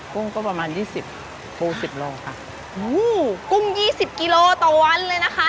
กุ้งก็ประมาณยี่สิบปูสิบโลค่ะอู้กุ้งยี่สิบกิโลต่อวันเลยนะคะ